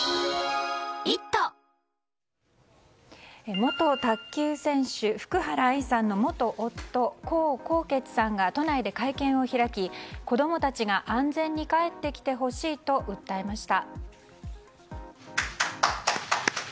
元卓球選手、福原愛さんの元夫・江宏傑さんが都内で会見を開き、子供たちが安全に帰ってきてほしいと訴えました。